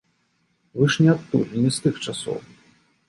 Вы ж не адтуль, не з тых часоў.